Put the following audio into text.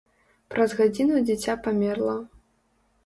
Праз гадзіну дзіця памерла.